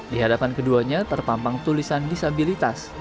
di hadapan keduanya terpampang tulisan disabilitas